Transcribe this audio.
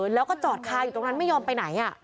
แล้วก็จอดคาอยู่ตรงนั้นไม่ยอมไปไหน